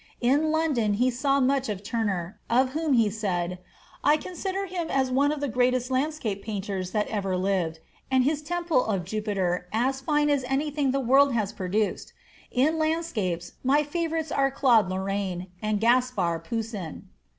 In London, he saw much of Turner, of whom he said, "I consider him as one of the greatest landscape painters that ever lived, and his 'Temple of Jupiter' as fine as anything the world has produced. In landscapes, my favorites are Claude Lorraine, and Gaspar Poussin."